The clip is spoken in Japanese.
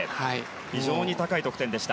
非常に高い得点でした。